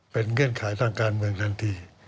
เป็นเงื่อนไขทางการเมืองทันที